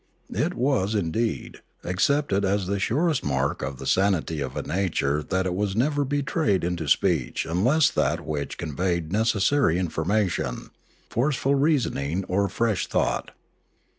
It was, indeed, ac cepted as the surest mark of the sanity of a nature that it was never betrayed into speech unless that which conveyed necessary information, forceful reasoning, or fresh thought.